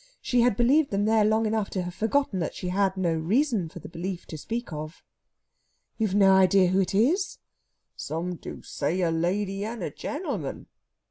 She had believed them there long enough to have forgotten that she had no reason for the belief to speak of. "You've no idea who it is?" "Some do say a lady and a gentleman."